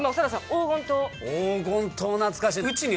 黄金糖懐かしい！